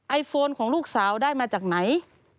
โฟนของลูกสาวได้มาจากไหน